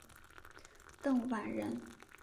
邓琬人。